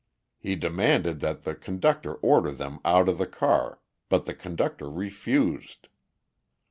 He demanded that the conductor order them out of the car, but the conductor refused.